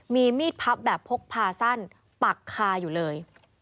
มีมีดพับแบบพกพาสั้นปักคาอยู่เลย